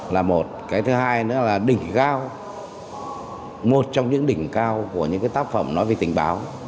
là một cái thứ hai nữa là đỉnh cao một trong những đỉnh cao của những tác phẩm nói về tình báo